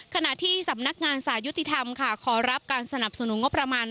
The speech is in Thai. ขณะที่สำนักงานสายุติธรรมค่ะขอรับการสนับสนุนงบประมาณ